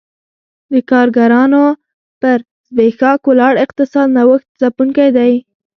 د کارګرانو پر زبېښاک ولاړ اقتصاد نوښت ځپونکی دی